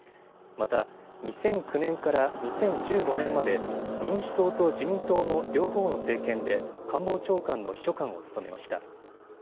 また、２００９年から２０１５年まで民主党と自民党の両方の政権で官房長官の秘書官を務めました。